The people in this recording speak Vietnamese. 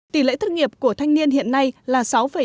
tỷ lệ thất nghiệp của thanh niên hiện nay là sáu bốn mươi ba